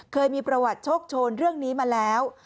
เคยมีประวัติโชคโชนเรื่องนี้มาแล้ว